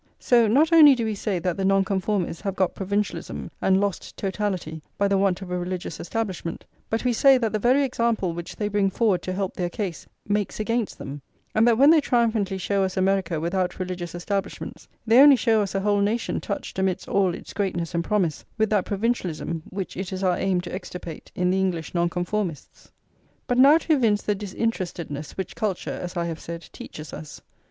So not only do we say that the Nonconformists have got provincialism and lost totality by the want of a religious establishment, but we say that the very example which they bring forward to help their case makes against them; and that when they triumphantly show us America without religious establishments, they only show us a whole nation touched, amidst all its greatness and promise, with that provincialism which it is our aim to extirpate in the English Nonconformists. But now to evince the disinterestedness which culture, as I have said, teaches us.